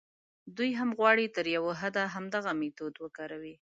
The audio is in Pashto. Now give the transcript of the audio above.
دوی هم غواړي تر یوه حده همدغه میتود وکاروي.